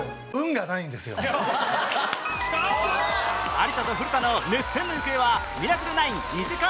有田と古田の熱戦の行方は『ミラクル９』２時間